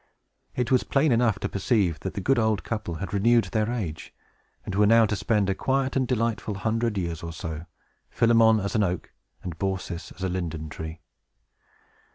It was plain enough to perceive that the good old couple had renewed their age, and were now to spend a quiet and delightful hundred years or so, Philemon as an oak, and Baucis as a linden tree.